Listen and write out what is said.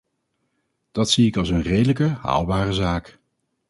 Dat zie ik als een redelijke, haalbare zaak.